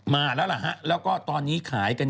มาแล้วล่ะฮะแล้วก็ตอนนี้ขายกัน